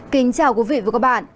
kính chào quý vị và các bạn